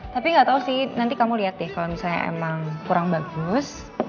tapi gak tau sih nanti kamu lihat deh kalau misalnya emang kurang bagus